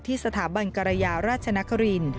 ที่สถาบันกรยาราชนครีน